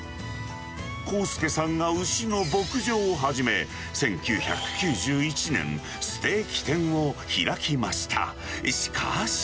こうすけさんが牛の牧場を始め、１９９１年、ステーキ店を開きました。